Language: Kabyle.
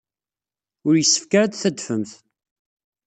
Ur yessefk ara ad d-tadfemt.